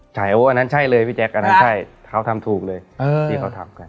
แถวอันนั้นใช่เลยพี่แจ๊คอันนั้นใช่เขาทำถูกเลยที่เขาทำกัน